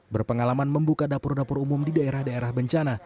berpengalaman membuka dapur dapur umum di daerah daerah bencana